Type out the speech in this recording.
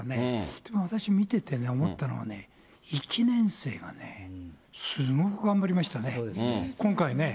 でも私、見てて思ったのはね、１年生がね、すごく頑張りましたね、今回ね。